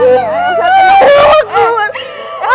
elsa tenang ya